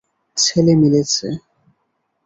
ছেলে মিলেছে।